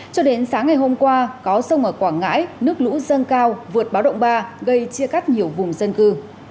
cho đến sáng ngày hôm qua có sông ở quảng ngãi nước lũ dâng cao vượt báo động ba gây chia cắt nhiều vùng dân cư